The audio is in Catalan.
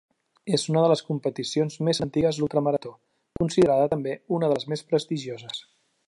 És una de les competicions més antigues d'ultramarató, considerada també una de les més prestigioses.